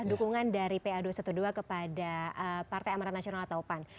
dukungan dari pa dua ratus dua belas kepada partai amarat nasional atau pan